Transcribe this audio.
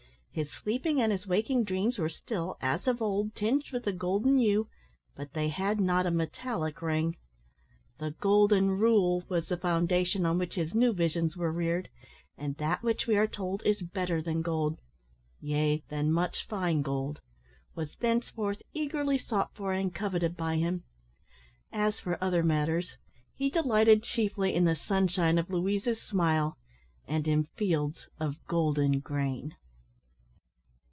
His sleeping and his waking dreams were still, as of old, tinged with a golden hue, but they had not a metallic ring. The golden rule was the foundation on which his new visions were reared, and that which we are told is better than gold, "yea, than much fine gold," was thenceforth eagerly sought for and coveted by him. As for other matters he delighted chiefly in the sunshine of Louisa's smile, and in fields of golden grain.